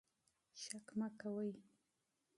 شک مه کوئ.